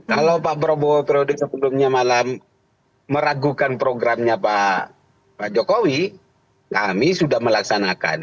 kalau pak prabowo periode sebelumnya malah meragukan programnya pak jokowi kami sudah melaksanakan